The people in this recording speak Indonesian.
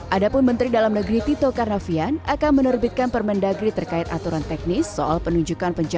ada pun menteri dalam negeri tito karnavian akan menerbitkan permendagri terkait aturan teknis soal penunjukan penjagaan